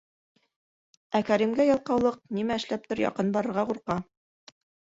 Ә Кәримгә ялҡаулыҡ, нимә эшләптер, яҡын барырға ҡурҡа.